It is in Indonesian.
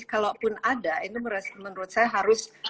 kalaupun ada itu menurut saya harus